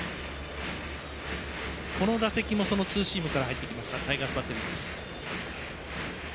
この打席もそのツーシームから入ってきたタイガースバッテリーです。